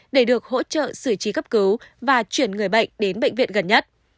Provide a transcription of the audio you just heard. để được hỗ trợ sử trí cấp cứu và chuyển người bệnh đến bệnh viện